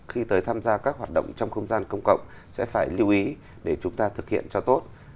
khi tới tham gia các hoạt động trong không gian công cộng sẽ phải lưu ý để chúng ta thực hiện cho tốt